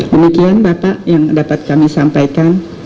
demikian bapak yang dapat kami sampaikan